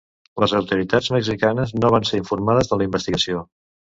Les autoritats mexicanes no van ser informades de la investigació.